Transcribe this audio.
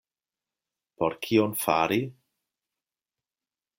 Por kion fari?